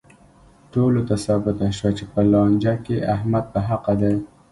ټولو ته ثابته شوه چې په لانجه کې احمد په حقه دی.